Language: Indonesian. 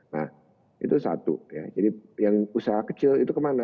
nah itu satu ya jadi yang usaha kecil itu kemana